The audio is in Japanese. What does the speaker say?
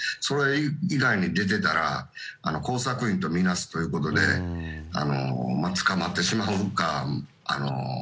それ以外に出てたら工作員とみなすということで捕まってしまうか